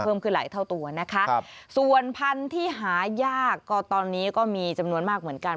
เพิ่มขึ้นหลายเท่าตัวนะคะส่วนพันธุ์ที่หายากก็ตอนนี้ก็มีจำนวนมากเหมือนกัน